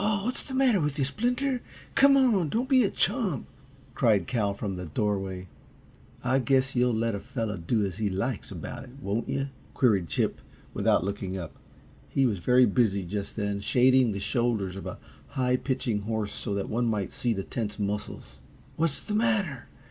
"Aw, what's the matter with yuh, Splinter! Come on; don't be a chump," cried Cal, from the doorway. "I guess you'll let a fellow do as he likes about it, won't you?" queried Chip, without looking up. He was very busy, just then, shading the shoulders of a high pitching horse so that one might see the tense muscles. "What's the matter?